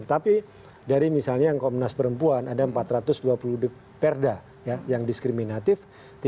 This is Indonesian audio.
tetapi dari misalnya yang komnas perempuan ada empat ratus dua puluh perda yang diskriminatif